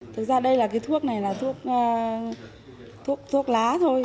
thực ra đây là cái thuốc này là thuốc lá thôi